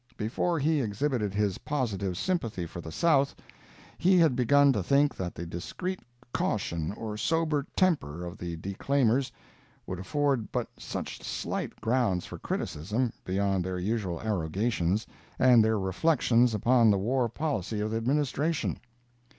Before he exhibited his positive sympathy for the South, we had begun to think that the discreet caution or sober temper of the declaimers would afford but such slight grounds for criticism, beyond their usual arrogations, and their reflections upon the war policy of the Administration.